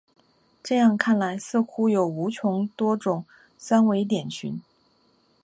这样看来似乎有无穷多种三维点群。